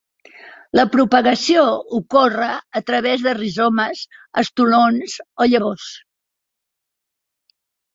La propagació ocorre a través de rizomes, estolons o llavors.